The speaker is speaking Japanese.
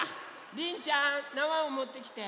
りんちゃんなわをもってきて。